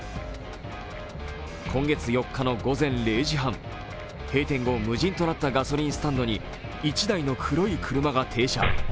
今月４日の午前０時半、閉店後、無人となったガソリンスタンドに１台の黒い車が停車。